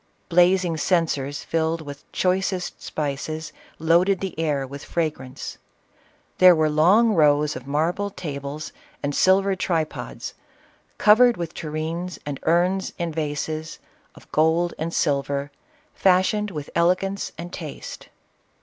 Blazing censers, filled with choi cest spices, loaded the air with fragrance. There were long rows of marble tables and silver tripods, covered with tureens, and urns, and vases, of gold and silver, fashioned with elegance and taste.